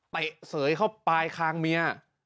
ตะเสยเข้าไปคางเมีย